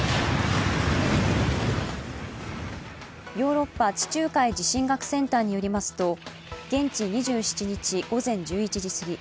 ヨーロッパ地中海地震学センターによりますと現地２７日午前１１時すぎ、